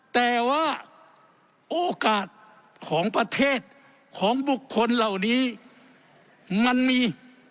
แต่ว่าโอกาสของประเทศของบุคคลเหล่านี้มันมี